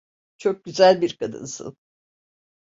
Çok güzel bir kadınsın.